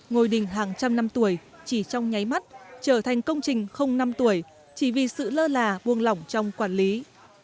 ngôi đình hàng trăm năm tuổi chỉ trong nháy mắt trở thành công trình không năm tuổi chỉ vì sự lơ là buông lỏng trong quản lý